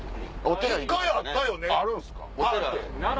１回あったよね？